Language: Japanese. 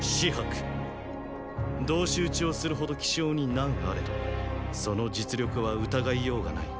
同士討ちをするほど気性に難あれどその実力は疑いようがない。